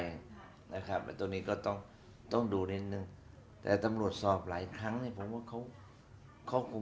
ตรงนี้ก็ต้องดูนิดนึงแต่ตำรวจสอบหลายครั้งผมว่าเขาคงอยากให้มันรอบครอบมากกว่า